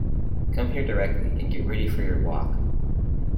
Come here directly, and get ready for your walk!